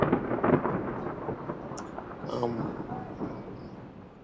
He plays for Cercle Brugge.